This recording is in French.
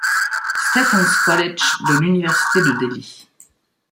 Stephen's College de l'Université de Delhi.